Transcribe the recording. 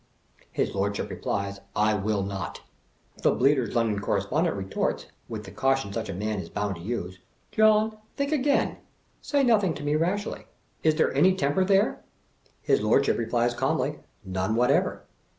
His Lordship replies, "I will not." The Bleat&r's London Correspondent retorts, with the caution such a man is bound to use, " John, think again; say nothing to me rashly ; is there any temper here?" His Lordship replies calmly, "None whatever."